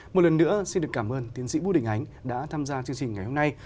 một lần nữa xin được cảm ơn tiến sĩ vũ đình ánh đã tham gia chương trình ngày hôm nay